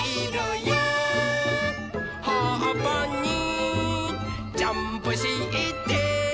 「はっぱにジャンプして」